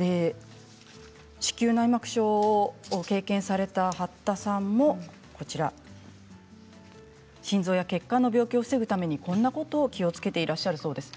子宮内膜症を経験された八田さんも心臓や血管の病気を防ぐためにこんなことを気をつけていらっしゃるそうです。